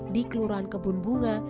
di kelurahan kebun bunga